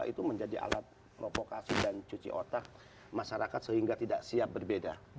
itu menjadi alat provokasi dan cuci otak masyarakat sehingga tidak siap berbeda